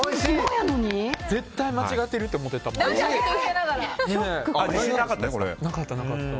絶対間違ってるって思ってた。